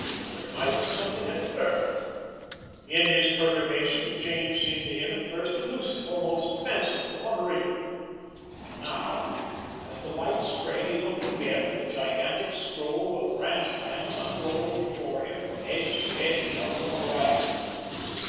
Overnight something had occurred. In his perturbation the change seemed to him, at first, elusive, almost fanciful, unreal. But now as the light spread, he looked again at the gigantic scroll of ranch lands unrolled before him from edge to edge of the horizon.